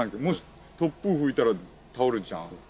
もし突風吹いたら倒れるじゃん。